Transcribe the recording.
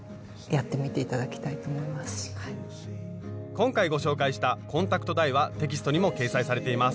今回ご紹介したコンタクトダイはテキストにも掲載されています。